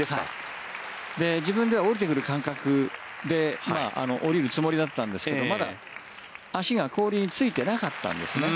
自分では降りてくる感覚で降りるつもりだったんですけどまだ足が氷についていなかったんですね。